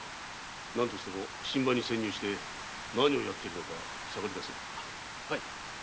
何としても普請場に潜入して何をやっているのか探りだせ。